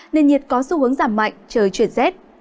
nền nhiệt có xu hướng giảm mạnh trời chuyển rét